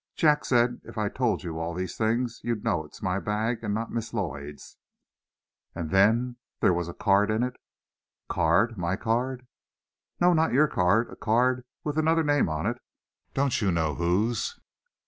Jack said if I told you all these things, you'd know it's my bag, and not Miss Lloyd's." "And then, there was a card in it." "A card? My card?" "No, not your card; a card with another name on it. Don't you know whose?"